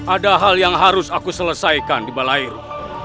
ada hal yang harus aku selesaikan di balai lu